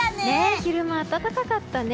昼間、暖かかったね。